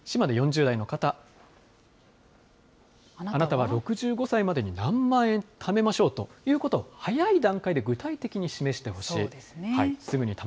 島根４０代の方、あなたは６５歳までに何万円ためましょうということを早い段階で具体的に示してほしい。